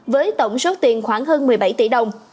với tổng số tiền khoảng hơn một mươi bảy tỷ đồng